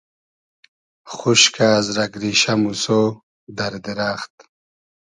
خوشکۂ از رئگ ریشۂ , موسۉ , دئر دیرئخت